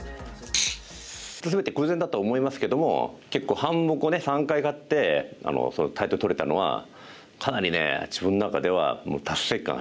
全て偶然だと思いますけども結構半目を３回勝ってタイトル取れたのはかなりね自分の中では達成感ありましたね。